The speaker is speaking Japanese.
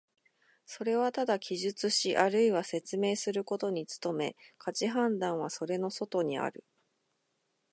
それはただ記述しあるいは説明することに努め、価値判断はそれの外にある。